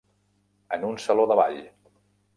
En un saló de ball.